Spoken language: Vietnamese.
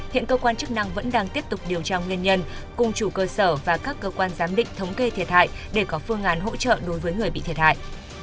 hiện cơ quan chức năng vẫn đang tiếp tục điều tra nguyên nhân cùng chủ cơ sở và các cơ quan giám định thống kê thiệt hại để có phương án hỗ trợ đối với người bị thiệt hại